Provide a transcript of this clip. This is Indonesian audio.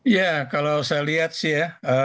ya kalau saya lihat sih ya